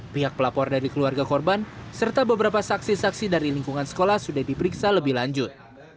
pihak pelapor dari keluarga korban serta beberapa saksi saksi dari lingkungan sekolah sudah diperiksa lebih lanjut